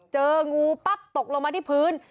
เจองูปั๊บตกลงมาที่พื้น